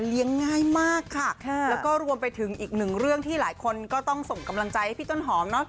ง่ายมากค่ะแล้วก็รวมไปถึงอีกหนึ่งเรื่องที่หลายคนก็ต้องส่งกำลังใจให้พี่ต้นหอมเนอะ